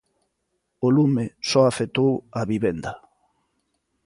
O lume só afectou a vivenda.